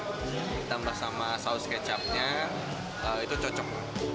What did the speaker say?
ditambah sama saus kecapnya itu cocok